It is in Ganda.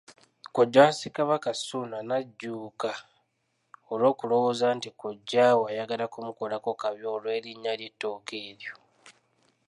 Kojja wa Ssekabaka Ssuuna n’ajuuka olw’okulowooza nti kojjaawe ayagala kumukola kabi olw’erinnya ly’ettooke eryo.